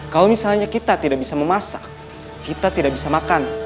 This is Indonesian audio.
kalau misalnya kita tidak bisa memasak kita tidak bisa makan